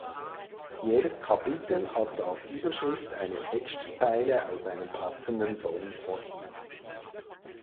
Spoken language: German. Jedes Kapitel hat als Überschrift eine Textzeile aus einem passenden Song von ihm.